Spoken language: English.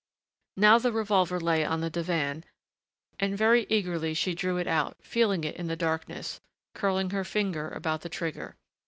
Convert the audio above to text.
Now the revolver lay on the divan, and very eagerly she drew it out, feeling it in the darkness, curling her finger about the trigger.